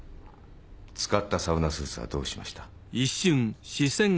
使ったサウナスーツはどうしました？